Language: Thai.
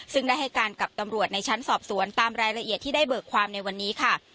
ซึ่งได้ให้การกับตำรวจในชั้นสอบสวนตามรายละเอียดที่ได้เบิกความในวันนี้ค่ะ